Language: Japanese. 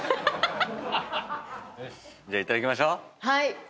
じゃあいただきましょう。